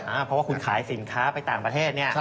เพราะว่าคุณขายสินค้าไปต่างประเทศเนี่ย